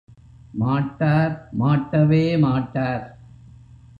மாட்டார், மாட்டவே மாட்டார்!...